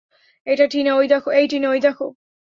এই টিনা, ওই দেখো।